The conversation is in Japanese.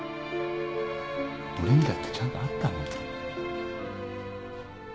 俺にだってちゃんとあったの。